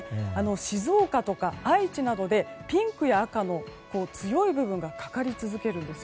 静岡とか愛知などでピンクや赤の強い部分がかかり続けるんです。